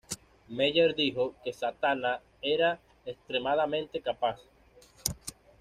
Meyer dijo que Satana era "extremadamente capaz.